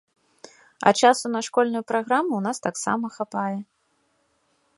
А часу на школьную праграму ў нас таксама хапае.